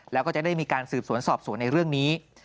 แล้วก็จะได้มีการสืบสวนสอบสวนในเรื่องนี้